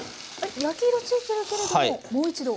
焼き色ついてるけれどももう一度？